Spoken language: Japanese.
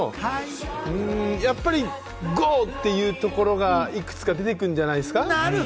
やはりＧＯっていうところがいくつか出てくるんじゃないですか？